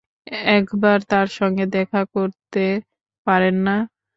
একবার তাঁর সঙ্গে দেখা করতে পারেন না?